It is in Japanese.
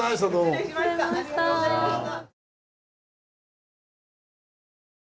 失礼しました。